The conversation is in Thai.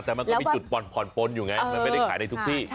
แต่มันก็มีจุดผ่อนอยู่ไงเป็นเด็กขายในทุกที่